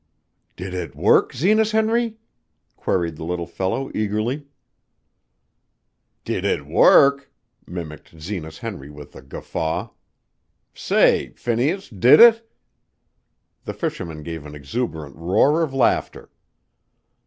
"Did it work, Zenas Henry?" queried the little fellow eagerly. "Did it work!" mimicked Zenas Henry with a guffaw. "Say, Phineas, did it?" The fishermen gave an exuberant roar of laughter.